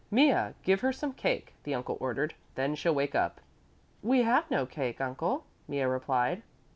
"Mea, give her some cake," the uncle ordered, "then she'll wake up." "We have no cake, uncle," Mea replied.